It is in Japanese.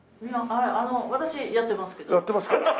あの私やってますけど。